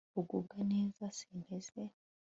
ugubwa neza, sinteze